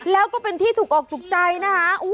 แล้วก็เป็นที่ถูกออกถูกใจนะคะ